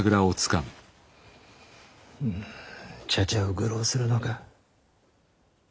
茶々を愚弄するのか。